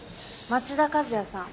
町田和也さん